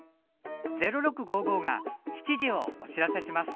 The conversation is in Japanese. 「０６」が７時をお知らせします。